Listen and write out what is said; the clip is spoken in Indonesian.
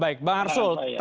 baik bang arsul